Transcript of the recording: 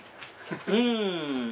うん。